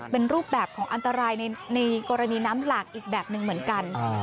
เป็นรูปแบบของอันตรายในกรณีน้ำหลากอีกแบบหนึ่งเหมือนกัน